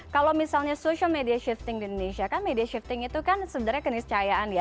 kalau misalnya social media shifting di indonesia kan media shifting itu kan sebenarnya keniscayaan ya